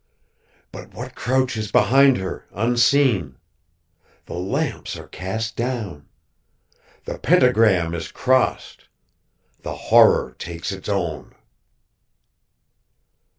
"_But what crouches behind her, unseen? The lamps are cast down! The pentagram is crossed! The Horror takes its own.